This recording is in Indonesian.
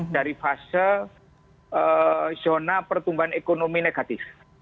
dari fase zona pertumbuhan ekonomi negatif